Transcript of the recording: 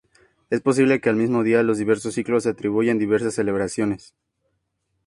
Es posible que al mismo día los diversos ciclos atribuyen diversas celebraciones.